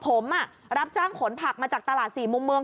ผมรับจ้างขนผักมาจากตลาด๔มุมเมือง